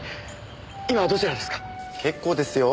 今どちらですか？